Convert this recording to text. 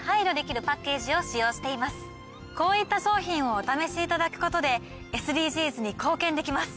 こういった商品をお試しいただくことでＳＤＧｓに貢献できます。